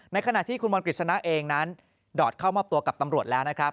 ขณะที่คุณบอลกฤษณะเองนั้นดอดเข้ามอบตัวกับตำรวจแล้วนะครับ